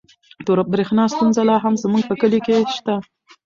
د برښنا ستونزه لا هم زموږ په کلي کې شته.